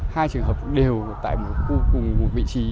hai trường hợp đều tại một vị trí